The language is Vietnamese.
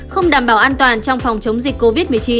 không đảm bảo an toàn trong phòng chống dịch covid một mươi chín